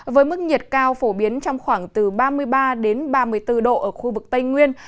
với mức nhiệt cao phổ biến trong khoảng từ ba mươi ba đến ba mươi bốn độ ở khu vực tây nguyên